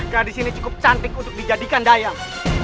kedis ini cukup cantik untuk dijadikan dayang